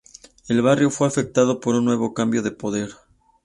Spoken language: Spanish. El barrio fue afectado por un nuevo cambio de poder.